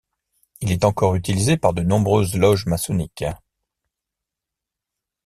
Il est encore utilisé par de nombreuses loges maçonniques.